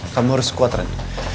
kamu harus kuat ren